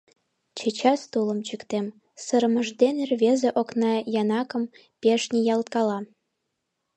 — Чечас тулым чӱктем, — сырымыж дене рвезе окна янакым пеш ниялткала.